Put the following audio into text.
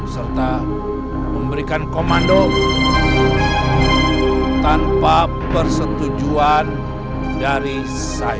serta memberikan komando tanpa persetujuan dari saya